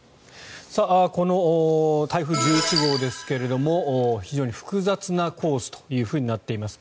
この台風１１号ですけれども非常に複雑なコースとなっています。